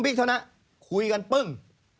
เท่านั้นคุยกันปึ้ง